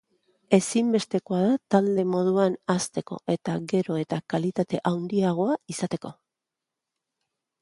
Ezinbestekoa da talde moduan hazteko eta gero eta kalitate handiagoa izateko.